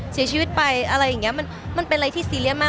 เสียชีวิตไปอะไรอย่างนี้มันเป็นอะไรที่ซีเรียสมาก